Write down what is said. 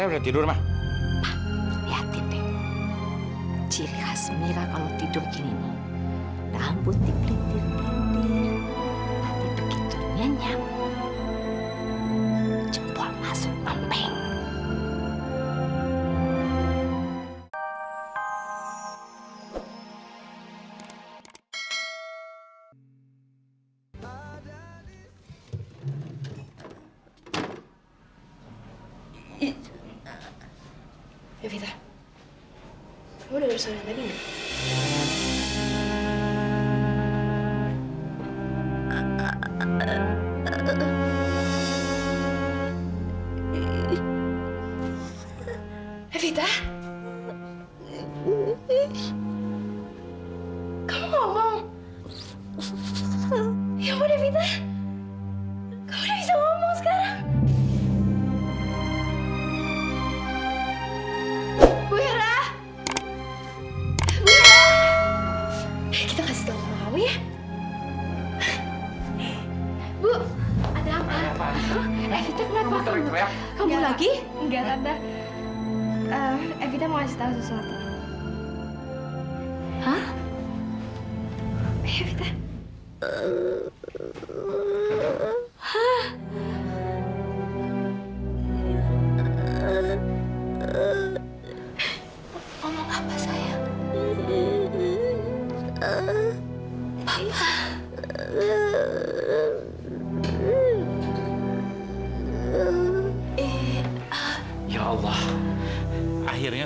sampai jumpa di video selanjutnya